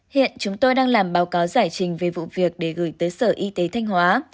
hiện chúng tôi đang làm báo cáo giải trình về vụ việc để gửi tới sở y tế thanh hóa